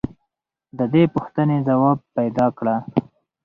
د دې پوښتنې ځواب پیدا کړه.